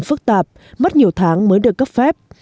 phức tạp mất nhiều tháng mới được cấp phép